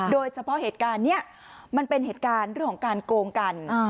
โดยเฉพาะเหตุการณ์นี้มันเป็นเหตุการณ์เรื่องของการโกงกัน